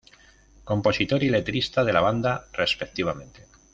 Compositor y letrista de la banda, respectivamente.